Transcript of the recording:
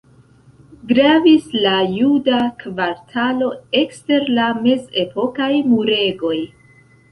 Gravis la juda kvartalo ekster la mezepokaj muregoj.